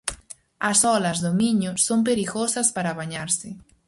As olas do Miño son perigosas para bañarse.